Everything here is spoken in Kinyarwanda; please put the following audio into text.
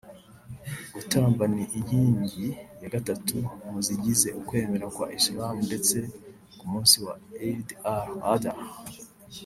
Gutamba ni inkingi ya gatatu mu zigize ukwemera kwa Islam ndetse ku munsi wa Eid Al Adha